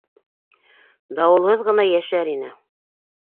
Дауылһыҙ ғына йәшәр ине.